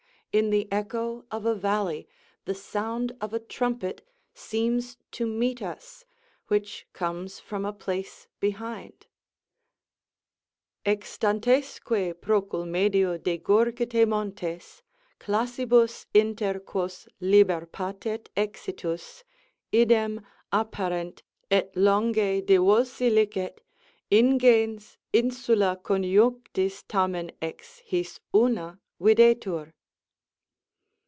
In the echo of a valley the sound of a trumpet seems to meet us, which comes from a place behind: Exstantesque procul medio de gurgite montes, Classibus inter qnos liber patet exitus, idem Apparent, et longe divolsi licet, ingens Insula conjunctis tamen ex his ana videtur...